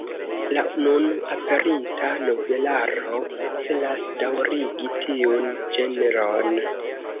La nun aperinta novelaro celas daŭrigi tiun ĝenron.